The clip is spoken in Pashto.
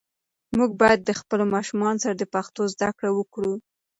مور باید د خپل ماشوم سره د پښتو زده کړه وکړي.